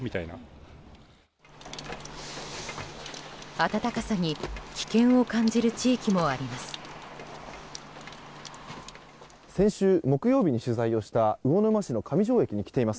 暖かさに危険を感じる地域もあります。